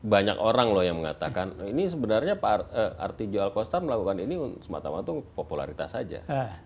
banyak orang loh yang mengatakan ini sebenarnya artijo alkostar melakukan ini semata mata popularitas saja